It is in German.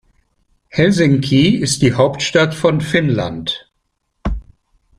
Helsinki ist die Hauptstadt von Finnland.